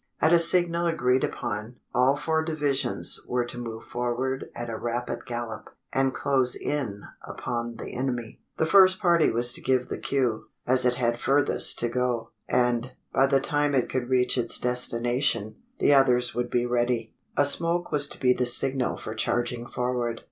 At a signal agreed upon, all four divisions were to move forward at a rapid gallop, and close in upon the enemy. The first party was to give the cue: as it had furthest to go; and, by the time it could reach its destination, the others would be ready. A smoke was to be the signal for charging forward.